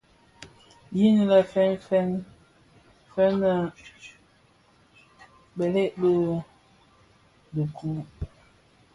Yin lè fèn fèn fëlë nnë bëlëg bi dhikuu.